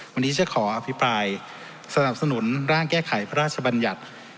วันนี้จะขออภิปรายสนับสนุนร่างแก้ไขพระราชบัญญัติ